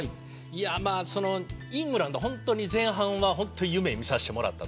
イングランド前半は夢を見させてもらった。